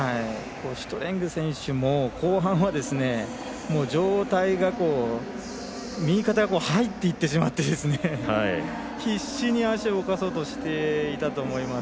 シュトレング選手も後半は上体が右肩が入っていってしまって必死に足を動かそうとしていたと思います。